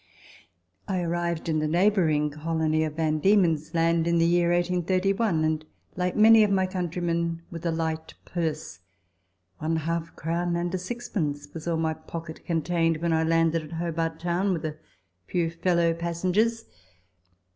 I arrived in the neighbouring colony of Van Diemen's Land in the year 1831, and, like many of my countrymen, wiiha lightpurse one lialf crown and a sixpence was all my pocket contained when I landed at Hobart Town with a few fellow passengers.